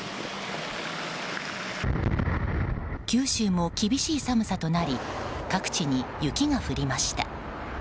九州も厳しい寒さとなり各地に雪が降りました。